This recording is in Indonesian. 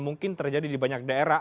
dan mungkin terjadi di banyak daerah